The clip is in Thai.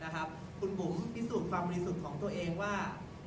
คุณบุ๋มพิสูจน์ความบริสุทธิ์ของตัวเองว่า